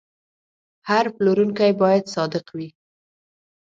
هر پلورونکی باید صادق وي.